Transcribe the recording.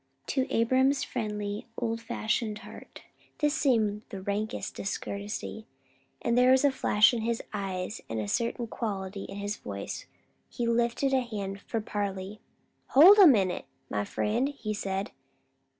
To Abram's friendly oldfashioned heart this seemed the rankest discourtesy; and there was a flash in his eye and a certain quality in his voice he lifted a hand for parley. "Hold a minute, my friend," he said.